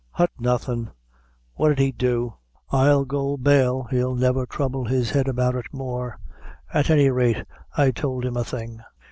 "Hut, nothing. What 'id he do? I'll go bail, he'll never trouble his head about it more; at any rate I tould him a thing."